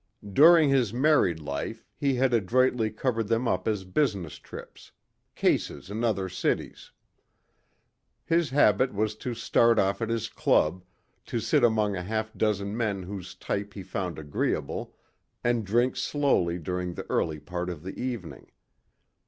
During his married life he had adroitly covered them up as business trips cases in other cities. His habit was to start off at his club, to sit among a half dozen men whose type he found agreeable and drink slowly during the early part of the evening.